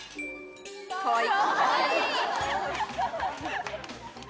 かわいい！